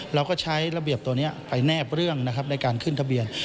เราก็ใช้ระเบียบตัวนี้ไปแนบเรื่องนะครับในการขึ้นทะเบียน